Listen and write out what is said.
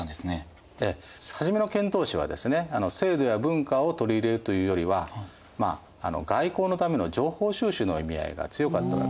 初めの遣唐使はですね制度や文化を取り入れるというよりは外交のための情報収集の意味合いが強かったわけですね。